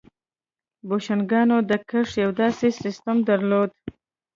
بوشنګانو د کښت یو داسې سیستم درلود